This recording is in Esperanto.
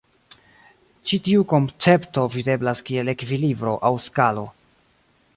Ĉi tiu koncepto videblas kiel ekvilibro aŭ skalo.